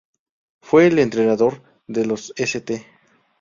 Fue el entrenador de los St.